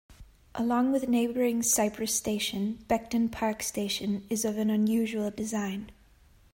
Along with neighbouring Cyprus station, Beckton Park station is of an unusual design.